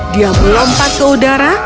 dia melompat ke udara